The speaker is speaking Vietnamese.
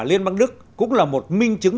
liên bang đức cũng là một minh chứng